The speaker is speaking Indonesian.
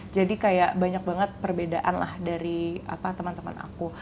jadi kayak banyak banget perbedaan lah dari teman teman aku